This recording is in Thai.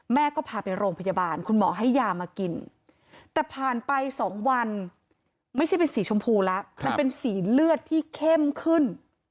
แม่ก็พาไปโรงพยาบาลคุณหมอให้ยามากินแต่ผ่านไป๒วันไม่ใช่เป็นสีชมพูแล้วมันเป็นสีเลือดที่เข้มขึ้น